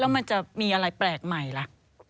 มันจะมีอะไรแปลกใหม่ล่ะ